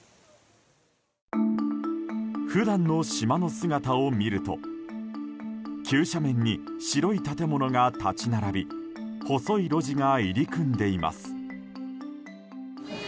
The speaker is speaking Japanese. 普段の島の姿を見ると急斜面に白い建物が立ち並び細い路地が入り組んでいます。